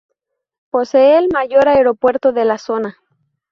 Posee el mayor aeropuerto de la zona.